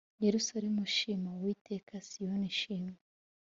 yerusalemu shima uwiteka siyoni shima